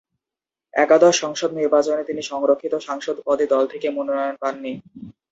একাদশ সংসদ নির্বাচনে তিনি সংরক্ষিত সাংসদ পদে দল থেকে মনোনয়ন পান নি।